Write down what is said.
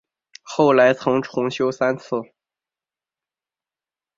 后来曾重修三次。